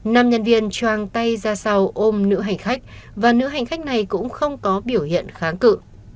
nam nhân viên choang tay ra sau ôm nữ hành khách và nữ hành khách này cũng không có biểu hiện kháng cự